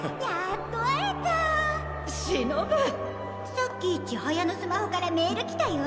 さっき千速のスマホからメール来たよ！